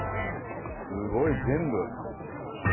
すごい全部。